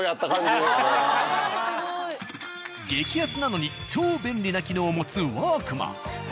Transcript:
激安なのに超便利な機能を持つ「ワークマン」。